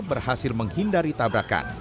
berhasil menghindari tabrakan